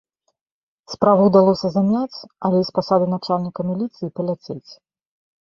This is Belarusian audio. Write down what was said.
Справу ўдалося замяць, але і з пасады начальніка міліцыі паляцець.